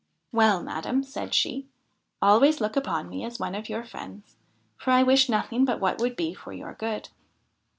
' Well, madam,' said she, ' always look upon me as one of your friends, for I wish nothing but what would be for your good.'